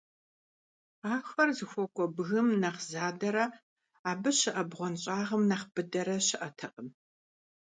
Ахэр зыхуэкӀуэ бгым нэхъ задэрэ абы щыӀэ бгъуэнщӀагъым нэхъ быдэрэ щыӀэтэкъым.